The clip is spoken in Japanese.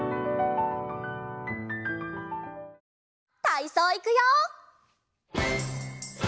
たいそういくよ！